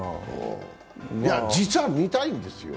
実は見たいんですよ。